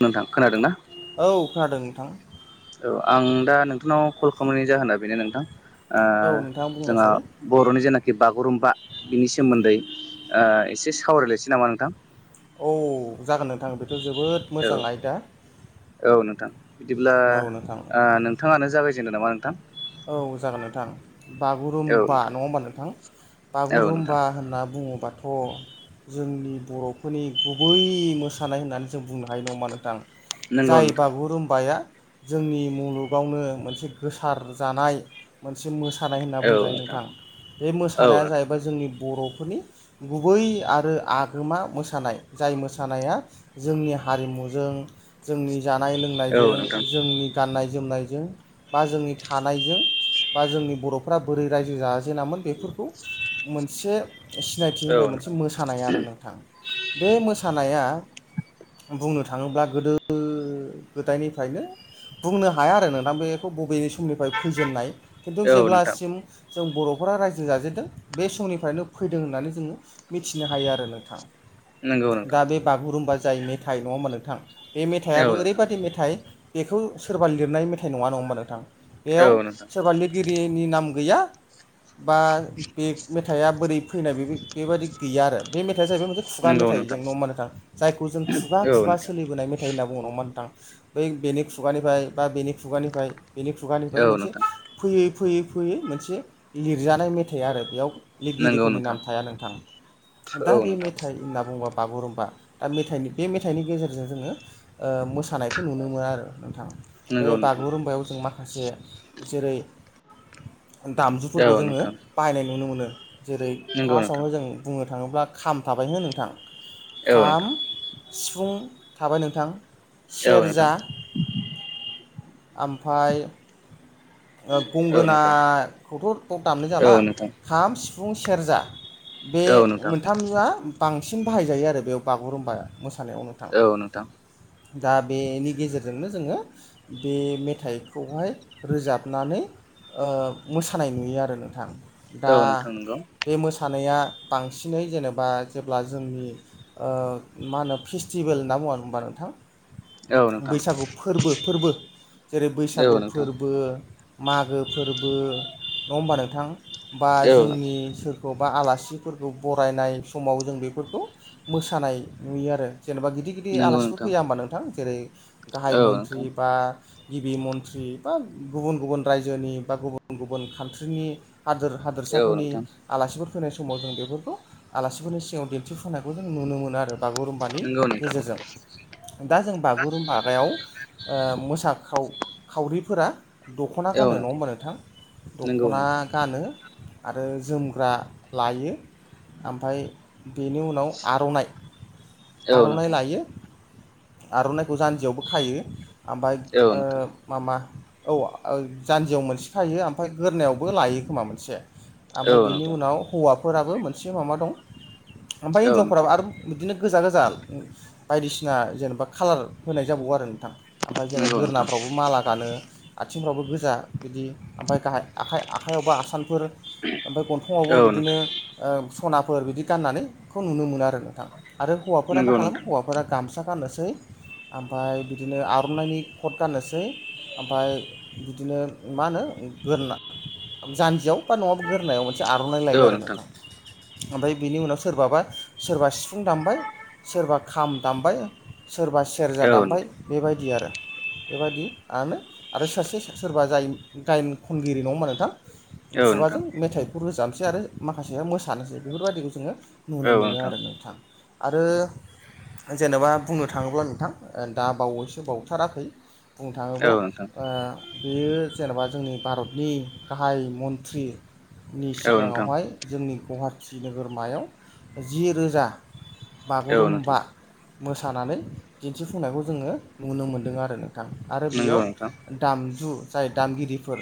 नोंथां खोनादोंना? औ खोनादों नोंथां औ आं दा नोंथांनाव कल खालामनायनि जाहोना बेनो नोंथां ओ औ नोंथाङा जोंहा बुंनायसाय बर'नि जेनाखि कि बागुरुम्बा बिनि सोमोन्दै ओ एसे सावरायलायसै नामा नोंथां? औ जागोन नोंथां बेथ' जोबोद औ मोजां आयदा। औ नोंथां बिदिब्ला औ नोंथां ओ नोंथाङानो जागायजेनदो नामा नोंथां। औ जागोन नोंथां। औ बागुरुम्बा नोंथां नङा होमबा नोंथां औ नोंथां बागुरुम्बा होनना बुङोबाथ' जोंनि बर'फोरनि गुबै मोसानाय होननानै जों बुंनो हायो नङा होमबा नोंथां? नंगौ जाय नोंथां बागुरुमबाया जोंनि मुलुगावनो मोनसे गोसार जानाय मोनसे मोसानाय होनना बुंजायो नोंथां बे औ नोंथां औ मोसानाया नोंथां जाहैबाय जोंनि बर'फोरनि गुबै आरो आगोमा मोसानाय जाय मोसानाया जोंनि हारिमुजों जोंनि औ जानाय-लोंनायजों नोंथां जोंनि गाननाय-जोमनायजों बा जोंनि थानायजों बा जोंनि बर'फोरा बोरै रायजो जाजेनामोन बेफोरखौ मोनसे सिनायथि होनाय मोनसे औ मोसानाय आरो नोंथां। बे मोसानाया बुंनो थाङोब्ला गोदो गोदायनिफ्रायनो बुंनो हाया आरो नोंथां बेखौ बबेनि समनिफ्राय फैजेननाय। खिन्थु नोंथां जेब्लासिम। जों बर'फोरा रायजो जाजेनदों बे समनिफ्रायनो फैदों होननानै जोङो मिथिनो हायो आरो नोंथां। नंगौ नोंथां दा बे बागुरुम्बा जाय मेथाइ नङा होमबा नोंथां बे औ मेथाइआबो ओरै नोंथां मेथाइ बेखौ सोरबा लिरनाय मेथाइ नङा नङा होमबा नोंथां बेयाव औ नोंथां सोरबा लिरगिरि। नि नाम गैया। बा बे मेथाइआ बोरै फैनाय बेबायादि गैया आरो बे मे थाइआ जाहैबाय मोनसे खुगा नंगौ मेथाइ नोंथां जों नङा ओमबा नोंथां जायखौ जों खुगा खुगा सलिबोनाय मेथाइ होनना बुङो नङा होमबा नोंथां। बै बेनि खुगानिफाय बा बेनि खुगानिफाय बेनि खुगानिफाय औ नोंथां औ मोनसे नोंथां फैयै फैयै फैयो मोनसे लिरजानाय मेथाइ आरो बेयाव। नंगौ लिरगिरिफोरनि नोंथां नाम थाया नोंथां दा औ बे नोंथां मेथाइ होनना बुङोबा बागुरुम्बा बा दा मेथाइनि बे मेथाइनि गेजेरजों जोङो ओ मोसानायखौ नुनो मोना आरो नोंथां। बे नंगौ नोंथां बागुरुमबायाव जों माखासे जेरै दामजुफोरखौ औ जोङो नोंथां बाहायनाय नुनो मोनो जेरै नंगौ नोंथां फासावनो जों बुङो। थाङोब्ला खाम थाबाय हो नोंथां औ खाम नोंथां सिफुं थाबाय नोंथां औ सेरजा नोंथां। ओमफाय ओ औ नोंथां गंगोनाखौथ' दामनाय जाला औ नोंथां खाम, सिफुं, सेरजा बे औ नोंथां मोनथामआ बांसिन बाहायजायो आरो बेयाव बागुरुम्बाया मोसानायावनो नोंथां औ नोंथां दा बेनि गेजेरजोंनो जोङो बे मेथाइखौहाय रोजाब नानै ओ मोसानाय नुयो आरो नोंथां। दा औ नोंथां नंगौ बे मोसानाया बांसिनै जेनेबा जेब्ला जोंनि मा होनो फेस्टिभेल होनना बुङाबानो। मोनथाम औ नोंथां बैसागु फोरबो फोरबो जेरै औ बैसागु नोंथां फोरबो मागो फोरबो नङा होमबा नोंथां बा औ नोंथां जोंनि सोरखौ बा आलासिफोरखौ बरायनाय समाव जों बेफोरखौ मोसानाय नुयो आरो जेन'बा गिदिर गिदिर नंगौ आलासिफोर नोंथां फैया होमबा नोंथां जेरै गाहाय औ मन्थ्रि नोंथां बा गिबि मन्थ्रि बा गुबुन गुबुन रायजोनि बा गुबुन गुबुन कान्ट्रिनि हादोर औ हादोरसाफोरनि नोंथां आलासिफोर फैनाय। समाव जों बेफोरखौ आलासिफोरनि सिगाङाव दिन्थिफुंनायखौ जों नुनो मोनो आरो। बागुरुम्बानि नंगौ नोंथां गेजेरजों। दा जों बागुरुमबायाव मोसाखाव खावरिफोरा दख'ना गानो नङा होमबा नोंथां नंगौ दख'ना नोंथां गानो। आरो जोमग्रा लायो। ओमफ्राय बेनि उनाव आर'नाइ औ नोंथां औ नोंथां औ आर'नाइ लायो आर'नाइखौ जान्जियावबो खायो। ओमफ्राय माबा औ जान्जियाव मोनसे खायो ओमफ्राय गोदनायावबो लायो खोमा मोनसे ओमफ्राय बेनि नोंथां उनाव हौवाफोराबो मोनसे माबा दं ओमफ्राय औ हिनजावफोराबो नोंथां आरो बिदिनो गोजा गोजा जाल बायदिसिना जेनेबा खालार होनाय जाबावो आरो नोंथां। ओमफ्राय जेनेबा नंगौ नोंथां गोदोनाफ्रावबो माला गानो। आथिंफ्रावबो गोजा बिदि ओमफाय गाहाय आखाइ आखाइयावबा आसानफोर। ओमफ्राय गन्थंवाबो औ बिदिनो नोंथां सनाफोर बिदि गाननानैखौ नुनो मोनो आरो नोंथां। आरो हौवाफोरा मा नंगौ खालामो नोंथां हौवाफोरा गामसा गाननोसै ओमफ्राय बिदिनो आर'नाइनि कट गाननोसै ओमफ्राय बिदिनो मा होनो गोदोनायाव जान्जियाव बा नङाबा गोरोननायाव मोनसे मोनसे आर'नाइ लायो आरो नोंथां ओमफ्राय बेनि उनाव सोरबाबा सोरबा सिफुं दामबाय सोरबा खाम दामबाय सोरबा सेरजा औ दामबाय नोंथां बेबायदि आरो बेबायदिआनो आरो सासे सोरबा जाय गायन खनगिरि नङा होमबा नोंथां औ नोंथां औ नोंथां खुगाजों मेथाइ रोजाबसै आरो माखासेया मोसानोसै बेफोरबायदिखौ जोङो नुनो औ मोनो आरो नोंथां आरो जेनेबा बुंनो थाङोब्ला नोंथां दा बावैसो बावथाराखै बुंनो थाङोब्ला नोंथां बेयो जेनेबा जोंनि भारतनि गाहाय मन्थ्रि नि औ नोंथां सिगाङावहाय जोंनि गुवाहाटि नोगोरमायाव जि रोजा औ नोंथां बागुरुमबा मोसानानै दिन्थिफुंनायखौ जोङो नुनो मोन्दों आरो नोंथां आरो बेयाव नंगौ नोंथां दामजु जाय दामगिरिफोर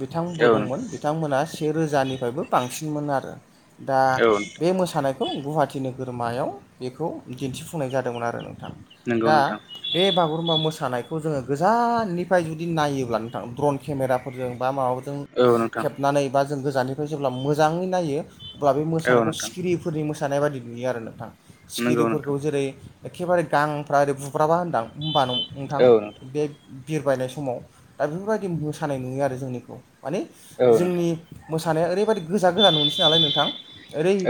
बिथांमोनबो औ दंमोन नोंथां बिथांमोना से रोजानिफ्रायबो बांसिनमोन आरो दा औ बे नोंथां मोसानायखौ गुवाहाटि नोगोरमायाव बेखौ दिन्थिफुंनाय जादोंमोन आरो नों थां नंगौ दा नोंथां बे बागुरुम्बा मोसानायखौ जोङो गोजाननि जुदि नायोब्ला नोंथां द्रन केमेराफोरजों बा माबाफोर औ नोंथां खेबनानै बा जों गोजाननिफ्राय जेब्ला मोजाङै नायो अब्ला बे औ मोसानायखौ नोंथां सिखिरिफोरनि मोसानाय बायदि नुयोमोन आरो नोंथां नंगौ नोंथां सिखिरिफोरखौ जेरै एखेबारे गांफ्रा ओरै बुब्राबा होनबा होनबा नोंथां औ नोंथां बे बिरबायनाय समाव दा बेफोरबायदि मोसानाय नुयो आरो जोंनिखौ माने औ नोंथां जोंनि मोसानाया ओरैबायदि गोजा गोजा नुनोसै नालाय नोंथां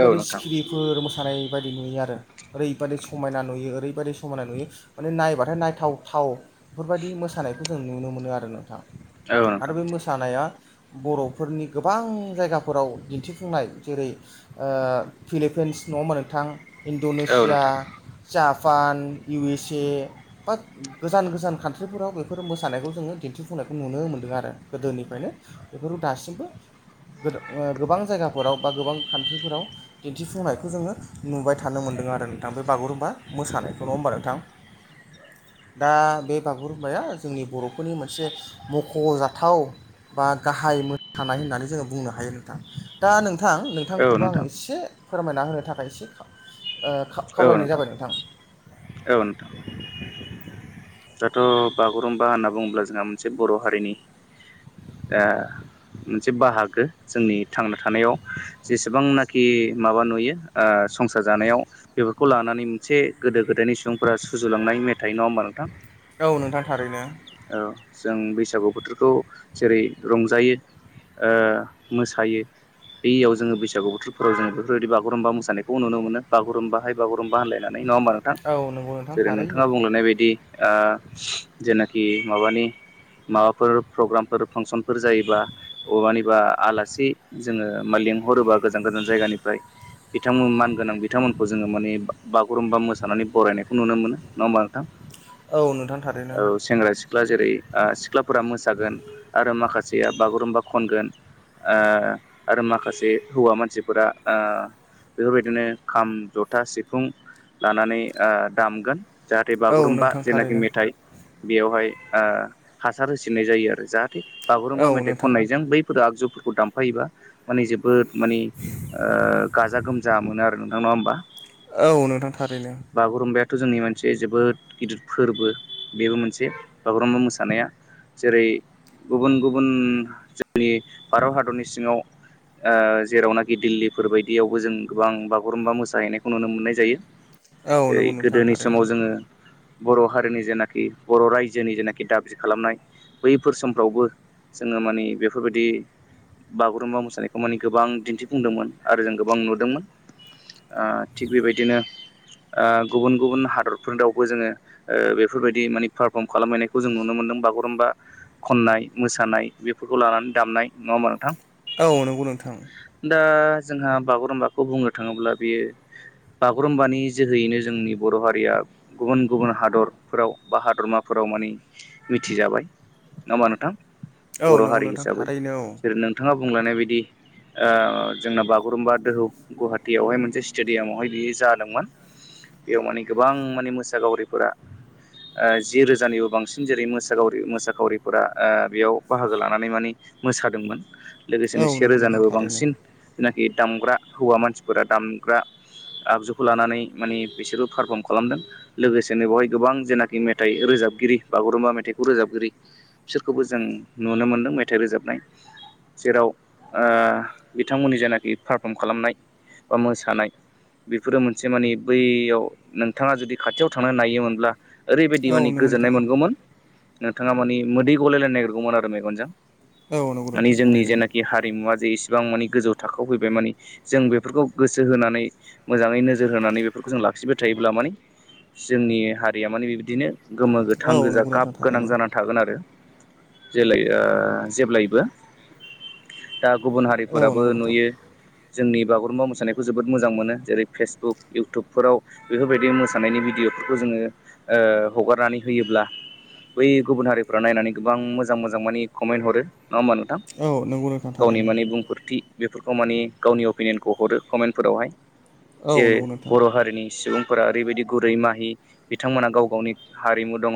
औ नोंथां सिखिरिफोर मोसानाय बाददि नुयो आरो ओरैबायदि समायना नुयो ओरैबायदि समायना नुयो माने नायबाथाय नायथावथाव बेफोरबायदि मोसा मोसानायखौ जों नुनो मोनो आरो नोंथां औ आरो नोंथां बे मोसानाया बर'फोरनि गोबां जायगाफोराव दिन्थिफुंनाय जेरै ओ फिलिपिन्स नङा होमबा नोंथां औ इणड'नेसिया नोंथां जापान इउ एस ए बा गोजान गोजान कान्ट्रिफोराव बे बेफोर मोसानायखौ जोङो दिन्थिफुंनायखौ नुनो मोन्दों आरो गोदोनिफ्रायनो बेफोरखौ दासिमबो गोबां जायगाफोराव बा गोबां कान्ट्रिफोराव दिन्थिफुंनायखौ जोंङो नुबाय थानो मोनो आरो नोंथां बे बागुरुम्बा मोसानायखौ नंङा होमबा नोंथां [inaudible] दा बे बागुरुमबाया जोंनि बर'फोरनि मोनसे मख'जाथाव बा गाहाय मोसानाय होननानै जोंङो बुंनो हायो नोंथां दा नोंथां औ नोंथांखौबो आं नोंथां एसे फोरमायना होनो थाखाय एसे खावलायनाय जाबाय नोंथां [inaudible] दाथ' बागुरुम्बा होनना बुंङोब्ला जोंहा मोनसे बर' हारिनि ओ मोनसे बाहागो जोंनि थांना थानायाव जेसेबांनाखि माबा नुयो ओ संसार जानायाव बेफोरखौ लानानै मोनसे गोदो गोदायनि सुबुंफोरा सुजुलांनाय मेथाइ नंङा होमबा नोंथां औ नोंथां थारैनो जों बैसागु बोथोरखौ जेरै रंजायो ओ मोसायो बियाव जोङो बैसागु बोथोरफोराव जोंङो बेफोरबायदि बागुरुमबा मोसानायखौ नुनो मोनो बागुरुमबा हाय बागुरुमबा होनलायनानै नंङा होनबा नोंथां औ नंगौ नोंथां जेरै नोंथाङा थारैनो बुंलुनाय बायदि ओ जि माबानि माबाफोर प्रग्रामफोर फांसनफोर जायोबा अमानिबा आलासि जोंङो मालिं हरोबा गोजान गोजान जायगानिफ्राय बिथांमोन मानगोनां बिथांमोनखौ जोङो माने बागुरुम्बा मोसानानै बरायनायखौ नुनो मोनो नङा होमबा नोंथां औ नोंथां थारैनो औ सेंग्रा सिख्ला जेरै सिख्लाफोरा मोसागोन आरो माखासेया बागुरुम्बा खनगोन आरो माखासे हौवा मानसिफोरा ओ बेफोरबायदिनो खाम जथा सिफुं लानानै ओ दामगोन जाहाथे औ बागुरुमबा नोंथां जेनाखि थारैनो मेथाइ बेयावहाय हासार होसिननाय जायो आरो जाहाथे। औ बागुरुम्बा मेथाइ नोंथां खननायजों बैफोर आगजुफोरखौ दामफायोबा माने जे जोबोद मानि गाजा गोमजा मोनो आरो नोंथां ना होमबा? औ नोंथां थारैनो। थ' जोंनि मोनसे जोबोद गिदिर फोरबो बेबो मोनसे बागुरुम्बा मोसानाया। जेरै गुबुन गुबुन जोंनि भारत हादरनि सिङाव। जेरावनाखि दिल्लीफोर बायदियावबो जों गोबां बागुरुम्बा मोसाहैनायखौ नुनो मोननाय जायो। औ जेरै नंगौ नोंथां गोदोनि थारैनो समाव जोंङो बर' हारिनि जेनाखि कि बर' रायजोनि जेनाखि दाबि खालामनाय बैफोर समफ्रावबो जोङो माने बेफोर बायदि बागुरुम्बा मोसानायखौ माने गोबां दिन्थिफुंदोंमोन आरो जों गोबां नुदोंमोन। थिग बेबायदिनो गुबुन गुबुन हादरफोरनावबो जोंङो बे। बेफोरबायदि माने पारफर्म खालामहैनायखौ जों नुनो मोनदों बागुरुम्बा खननाय मोसानाय बेफोरखौ लानानै। दामनाय नंङा होनबा नोंथां? औ नंगौ नोंथां। दा जोंहा बागुरुम्बाखौ बुंनो थांङोब्ला बियो। बागुरुम्बानि जोहोयैनो जोंनि बर' हारिया गुबुन गुबुन हादर फोराव बा हादरमाफोराव मानि मिथिजाबाय नङा होनबा नोंथां? औ बर' नंगौ हारि नोंथां हिसाबै थारैनो जेरै औ नोंथाङा बुंलांनाय बायदि जोंना बागुरुम्बा दोहौ गुवाहाटीयावहाय मोनसे स्टेडियामावहाय बियो जादोंमोन। बेयाव माने गोबां माने मोसागावरिफोरा जि रोजानिबो बांसिन जेरै मोरि मोसाखावरिफोरा बेयाव बाहागो लानानै मानि। मोसादोंमोन लोगोसेनो औ नंगौ नोंथां सेेरोजानोबो थारैनो बांसिन। बे दामग्रा हौवा मानसिफोरा दामग्रा। आगजुखौ लानानै माने बिसोरबो पारफर्म खालामदों लोगोसेनो बेवहाय गोबां जेनाखि मेथाइ रोजाबगिरि बागुरुम्बा मेथाइखौ रोजाबगिरि बिसोरखौबो जों नुनो मोन्दों। मेथाइ रोजाबनाय जेराव बिथांमोननि जेनाखि पारफर्म खालामनाय बा मोसानाय बेफोरो मोनसे माने बैयाव नोंथाङा जुदि खाथियाव थांनानै नायोमोन। ओरैबायदि औ माने नंगौ गोजोननाय नोंथां मोनगौमोन नोंथाङा मानिे मोदै गलायलायनो नागिरगौमोन आरो मेगनजों। औ नंगौ मानिे नोंथां जोंनि थारैनो जेनाखि हारिमुवा जे इसेबां मानिे गोजौ थाखोआव फैबाय मानिे जों बेफोरखौ गोसो होनानै मोजाङै नोजोर होनानै बे जों लाखिबाय थायोब्ला माने जोंनि हारि गारिया माने बिबदिनो गोमो औ गोथां गोजा नंगौ गाब नोंथां गोनां थारैनो जानानानै थागोन आरो। जे जेब्लायबो दा गुबुन औ हारिफोराबो नंगौ नोंथां नुयो जोंनि बागुरुम्बा मोसानायखौ जोबोद मोजां मोनो जेरै फेसबुक इउटुबफोराव बेफोरबायदि मोानायनि भिदिअ फोरखौ जोङो हगारनानै होयोब्ला बै गुबुन हारिफ्रा नायनानै गोबां मोजां मोजां मानिे कमेन्ट हरो। नङा होमबा नोंथां औ नंगौ नोंथां गावनि थारैनो माने बुंफोरथि बेफोरखौ मानिे गावनि अपिनियनखौ हरो कमेन्टफोरावहाय औ जे नंगौ नोंथां बर' हारिनि सुबुं फोर ओरैबायदि गुरै माहि बिथांमोनहा गाव गावनि हारिमु दङ।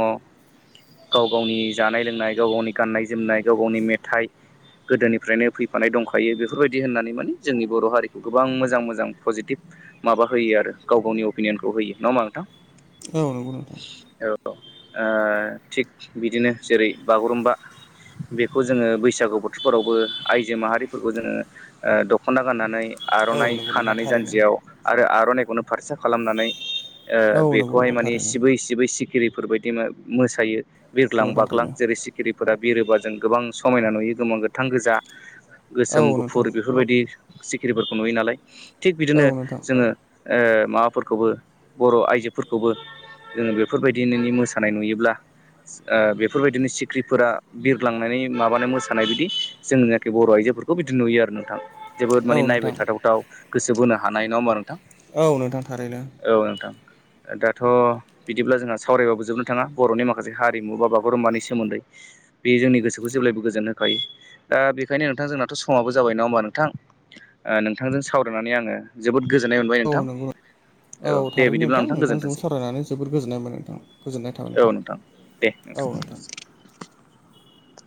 गाव गावनि जानाय लोंनाय गाव गावनि गाननाय जोमनाय गाव गावनि मेथाइ गोदोनिफ्रायनो फैफानाय दंखायो बेफोरबायदि होननानै माने जोंनि बर' हारिखौ गोबां मोजां मोजां पजिटिभ माबा होयो आरो गाव गावनि अपिनियनखौ होयो नङा होनबा नोंथां औ नंगौ नोंथां। औ ओ थिग बिदिनो जेरै बागुरुम्बा बेखौ जोङो बैसागु बोथोरफोरावबो आइजो माहारिफोरखौ जोङो दख'ना गाननानै औ आर'नाइ नंगौ नोंथां खानानै थारैनो जानजियाव आरो आर'नाइखौनो फारसा खालामनानै औ बे नंगौ खौहाय नोंथां माने थारैनो सिबै सिबै सिखिरिफोरबायायदि मोसायो नंगौ बिरग्लां नोंथां बाग्लां थारैनो जेरै सिखिरि फोर बिरोबा जों गोबां समायना नुयो गोबां गोथां गोजा गोसोम औ नोंथां गुफुर बेफोरबायदि सिखिरिफोरखौ नुयो नालाय। थिग औ बिदिनो नोंथां जोङो ओ माफोरखौबो बर' आइजो फोरखौबो जोङो बेफोरबायदि नोंनि मोसानाय नुयोब्ला ओ बेफोरबायदिनो सिख्रिफोरा बिरग्लांनानै माबाना मोसानाय बिदि जों नाखि बर' आइजो बेफोरखौ बिदि नुयो आरो नोंथां। जोबोद माने औ नायबाय नोंथां थाथावथाव गोसो बोनो हानाय। नङा होमबा नों थां औ नोंथां थारैनो औ नोंथां। ओ दाथ' बिदिब्ला जोंहा सावरायबाबो जोबनो थाङा बर'नि माखासे हारिमु बा बागुरुम्बानि सोमोन्दै। बे जोंनि गोसोखौ जेब्लायबो गोजोन होखायो। दा बेखायनो नोंथां जोंनाथ' समाबो जाबाय। नङा होमबा नोंथां? ओ नोंथांजों सावरायनानै आङो जोबोद गोजोननाय मोनबाय नोंथां। औ औ दे बिदिब्ला थांजों गोजोनथोंसै सावरायनानै जोबोर गोजोन्नाय मोनबाय नोंथां। गोजोननाय थाबाय नोंथां। औ नोंथां। [inaudible]